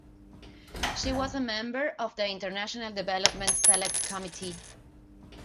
She was a Member of the International Development Select Committee.